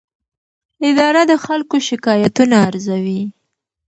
اداره د خلکو شکایتونه ارزوي.